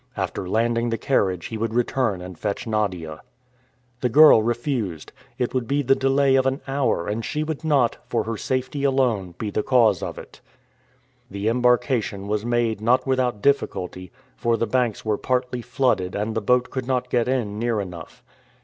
After landing the carriage he would return and fetch Nadia. The girl refused. It would be the delay of an hour, and she would not, for her safety alone, be the cause of it. The embarkation was made not without difficulty, for the banks were partly flooded and the boat could not get in near enough.